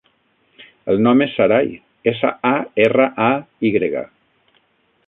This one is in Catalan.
El nom és Saray: essa, a, erra, a, i grega.